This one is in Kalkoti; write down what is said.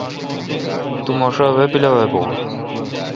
تو مہ شا وے°پیلاویباہ؟